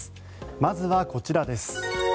まずはこちらです。